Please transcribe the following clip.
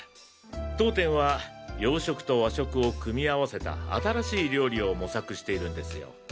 当店は洋食と和食を組み合わせた新しい料理を模索しているんですよ。